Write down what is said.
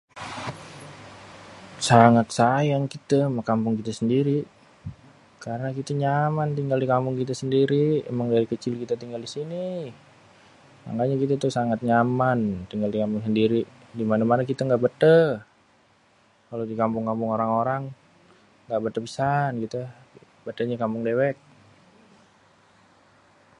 Sangat sayang kite ama kampung kita sendiri karena kite nyaman tinggal di kampung sendiri, emang dari kecil kita tinggal di sini mangkanya kita tuh sangat nyaman tinggal di kampung sendiri. Di mana-mana kita ngga beteh, kalo di kampung-kampung orang-orang. Nggak beteh pisan kita, betehnya kampuk dewék.